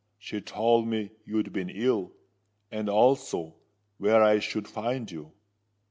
She told me you'd been ill, and also where I should find you.